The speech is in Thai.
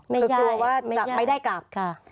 คือกลัวว่าจะไม่ได้กลับ